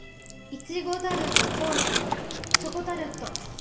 イチゴタルトとチョコタルト。